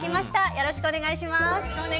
よろしくお願いします。